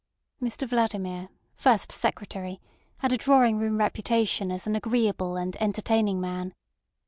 Mr Vladimir, First Secretary, had a drawing room reputation as an agreeable and entertaining man.